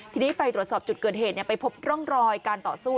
ทีนี้ไปตรวจสอบจุดเกิดเหตุไปพบร่องรอยการต่อสู้